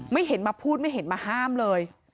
เห็นมาพูดไม่เห็นมาห้ามเลย